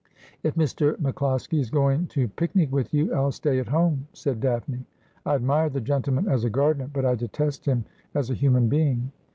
' If Mr. MacCloskie is going to picnic with you I'll stay at home,' said Daphne. ' I admire the gentleman as a gardener, but I detest him as a human being.'